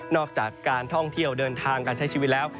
จากการท่องเที่ยวเดินทางการใช้ชีวิตแล้ว